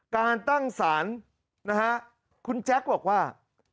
การตั้งสารคุณแจ็คบอกว่า